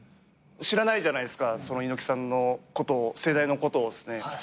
知らないじゃないですかその猪木さんのことを世代のことをっすね。